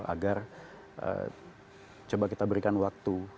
agar coba kita berikan waktu